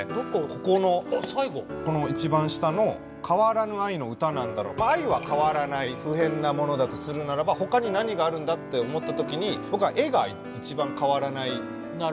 ここのこの一番下の愛は変わらない不変なものだとするならばほかに何があるんだって思った時に僕は絵が一番変わらないもの。